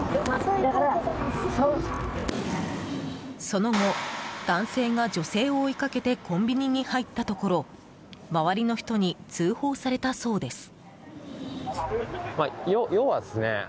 その後男性が女性を追いかけてコンビニに入ったところ周りの人に通報されたそうです。